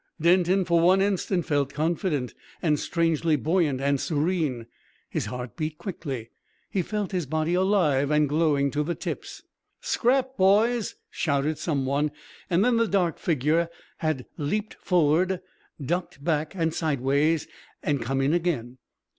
Denton for one instant felt confident, and strangely buoyant and serene. His heart beat quickly. He felt his body alive, and glowing to the tips. "Scrap, boys!" shouted some one, and then the dark figure had leapt forward, ducked back and sideways, and come in again.